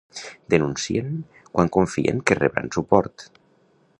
Denuncien quan confien que rebran suport.